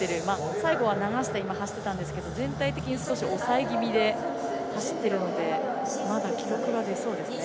最後は流して走っていたんですが全体的に少し抑え気味で走っているのでまだ記録が出そうですね。